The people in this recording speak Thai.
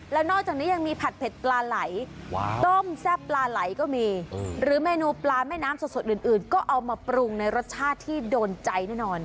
แล้วนอกจากนี้ยังมีผัดเผ็ดปลาไหลต้มแซ่บปลาไหลก็มีหรือเมนูปลาแม่น้ำสดอื่นก็เอามาปรุงในรสชาติที่โดนใจแน่นอน